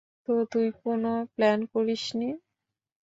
তো তুই কোন প্ল্যান করিসনি!